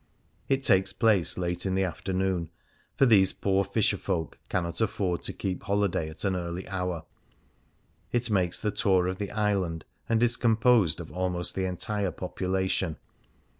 It takes place late in the afternoon, for these poor fisherfolk cannot afford to keep holiday at an early hour ; it makes the tour of the island, and it is composed of almost the entire population.